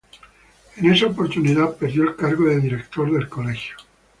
En esa oportunidad perdió el cargo de director del Colegio.